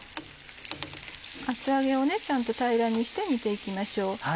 厚揚げをちゃんと平らにして煮て行きましょう。